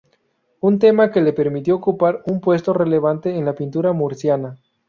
Un tema que le permitió ocupar un puesto relevante en la pintura murciana.